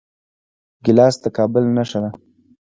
ګیلاس د کابل نښه ده.